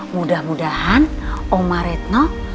mudah mudahan oma retno